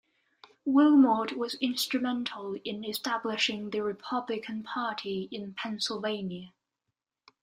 Wilmot was instrumental in establishing the Republican Party in Pennsylvania.